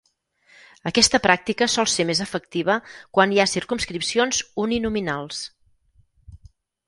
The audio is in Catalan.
Aquesta pràctica sol ser més efectiva quan hi ha circumscripcions uninominals.